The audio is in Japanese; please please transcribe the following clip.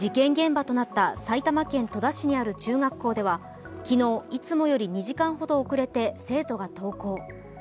事件現場となった埼玉県戸田市にある中学校では昨日、いつもより２時間ほど遅れて生徒が登校。